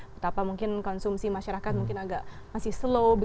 betapa mungkin konsumsi masyarakat mungkin agak masih slow